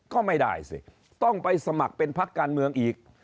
ก็ไม่ได้สิต้องไปสมัครเป็นพักการเมืองอีก